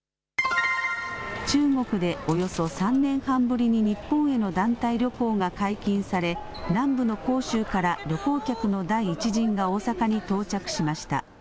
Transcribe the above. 中国でおよそ３年半ぶりに日本への団体旅行が解禁され、南部の広州から旅行客の第１陣が大阪に到着しました。